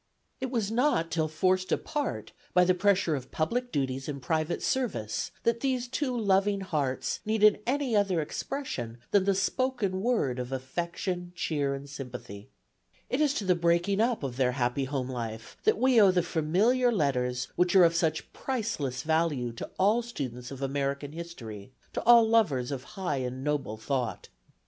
It was not till forced apart by the pressure of public duties and private service, that these two loving hearts needed any other expression than the spoken word of affection, cheer and sympathy. It is to the breaking up of their happy home life that we owe the Familiar Letters which are of such priceless value to all students of American history, to all lovers of high and noble thought.